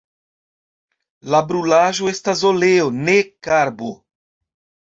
La brulaĵo estas oleo ne karbo.